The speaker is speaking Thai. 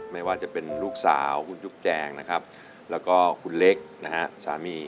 ไม่ว่าจะเป็นลูกสาวคุณจุ๊บแจงแล้วก็คุณเล็กสามี